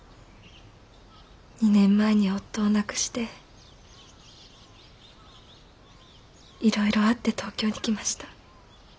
２年前に夫を亡くしていろいろあって東京に来ました。